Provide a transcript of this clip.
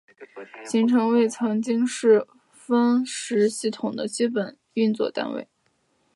行程为曾经是分时系统的基本运作单位。